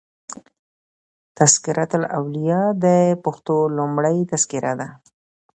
"تذکرة الاولیا" دپښتو لومړۍ تذکره ده.